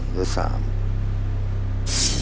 แล้ว๓